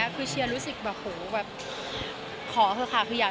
คือเชียร์รู้สึกว่าขอเถอะค่ะ